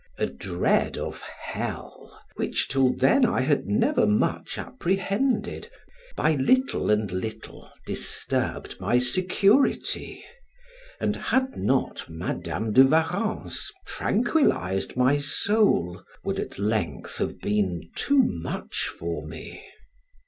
A dread of hell, which till then I had never much apprehended, by little and little disturbed my security, and had not Madam de Warrens tranquillized my soul, would at length have been too much for me.